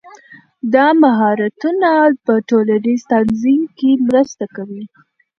دا مهارتونه په ټولنیز تنظیم کې مرسته کوي.